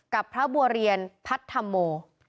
กับพระบัวเรียนพัฒนโม